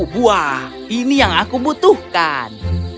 buah ini yang aku butuhkan